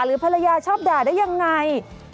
ภรรยาชอบด่าได้ยังไง